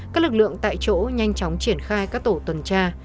các lực lượng tại chỗ nhanh chóng triển khai các tổ tuần tra